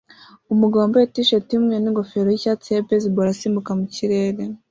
Umugabo wambaye t-shirt yumweru ningofero yicyatsi ya baseball asimbuka mukirere